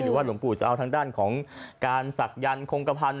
หรือว่าหลวงปู่จะเอาทางด้านของการศักดิ์ยานคงกระพันธุ์